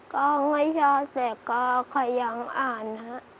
ก็ไม่ยอดแต่ก็พยายามอ่านฮะ